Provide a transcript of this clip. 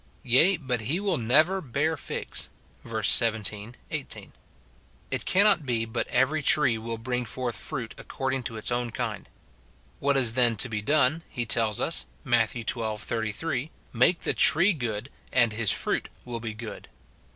"Yea, but he will never bear figs," verses 17, 18; it cannot be but every tree will bring forth fruit according to its own kind. What is then to be done, he tells us, Matt. xii. 33, " Make the tree good, and his fruit will be good."